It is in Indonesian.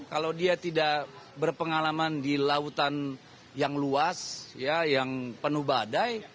kalau dia tidak berpengalaman di lautan yang luas yang penuh badai